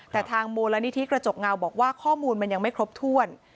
แต่ทางมูลนิธิกระจกเงาบอกว่าข้อมูลมันยังไม่ครบถ้วน